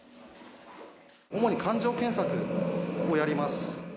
主に環状検索をやります。